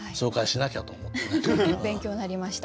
勉強になりました。